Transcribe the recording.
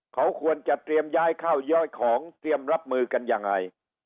เขาควรจะเตรียมย้ายข้าวย้อยของเตรียมรับมือกันยังไง